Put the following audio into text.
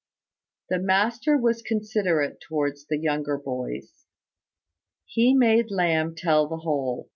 The master was considerate towards the younger boys. He made Lamb tell the whole.